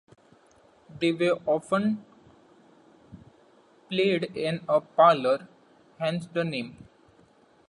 They were often played in a parlour, hence the name.